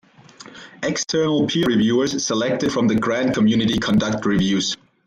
External peer reviewers selected from the grant community conduct reviews.